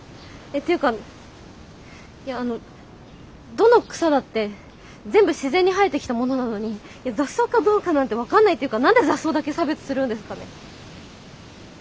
っていうかいやあのどの草だって全部自然に生えてきたものなのに雑草かどうかなんて分かんないっていうか何で雑草だけ差別するんですかね。